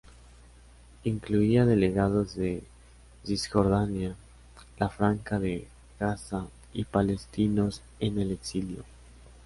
Incluía delegados de Cisjordania, la Franja de Gaza y palestinos en el exilio.